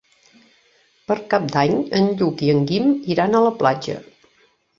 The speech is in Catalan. Per Cap d'Any en Lluc i en Guim iran a la platja.